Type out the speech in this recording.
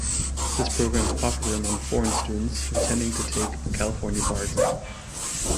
This program is popular among foreign students intending to take the California bar exam.